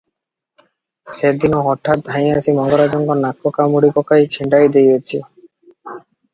ସେ ଦିନ ହଠାତ୍ ଧାଇଁଆସି ମଙ୍ଗରାଜଙ୍କ ନାକ କାମୁଡ଼ି ପକାଇ ଛିଣ୍ତାଇ ଦେଇଅଛି ।